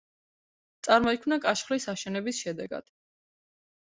წარმოიქმნა კაშხლის აშენების შედეგად.